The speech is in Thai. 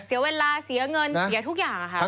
เสียเวลาเสียเงินเสียทุกอย่างค่ะ